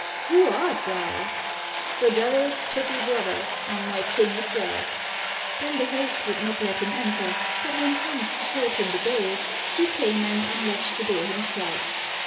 "Who art thou?" "The Devil's sooty brother, and my King as well." Then the host would not let him enter, but when Hans showed him the gold, he came and unlatched the door himself.